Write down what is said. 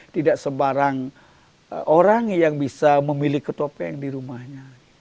tidak sembarang orang yang bisa memiliki topeng di rumahnya